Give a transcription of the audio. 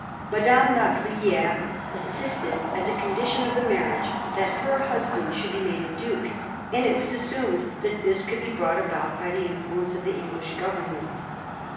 Madame La YriUi^re insisted, as a condition of the marriage, that her husband should be made a duke, and it was assumed that this could be brought about by the influence of the English Government.